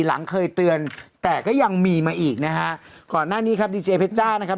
หลังเคยเตือนแต่ก็ยังมีมาอีกนะฮะก่อนหน้านี้ครับดีเจเพชจ้านะครับ